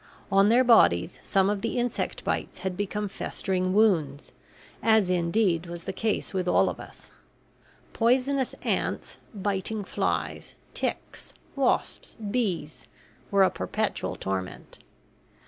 On their bodies some of the insect bites had become festering wounds, as indeed was the case with all of us. Poisonous ants, biting flies, ticks, wasps, bees were a perpetual torment.